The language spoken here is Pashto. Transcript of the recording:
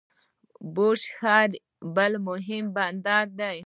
بوشهر بل مهم بندر دی.